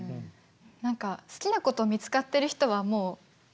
何か好きなこと見つかってる人はもういいんよ。